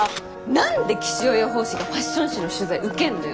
何で気象予報士がファッション誌の取材受けんのよ。